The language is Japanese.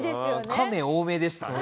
「カメ」多めでしたね。